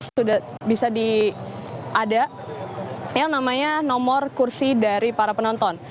sudah bisa diadakan nomor kursi dari para penonton